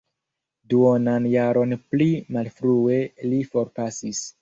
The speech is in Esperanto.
Duonan jaron pli malfrue li forpasis.